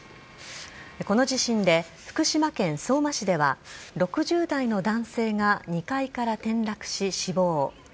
この地震で福島県相馬市では６０代の男性が２階から転落し死亡。